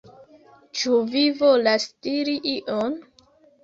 Ĉu vi volas diri ion?